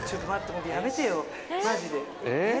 ほんとやめてよマジで。